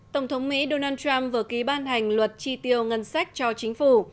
tổng thống mỹ donald trump vừa ký ban hành luật tri tiêu ngân sách cho chính phủ